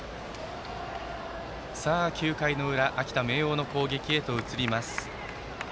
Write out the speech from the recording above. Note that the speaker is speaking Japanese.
９回裏、秋田・明桜の攻撃へ移ります。